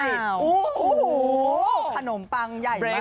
โอ้โหขนมปังใหญ่มาก